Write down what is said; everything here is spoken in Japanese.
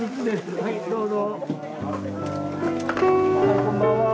はいどうぞ。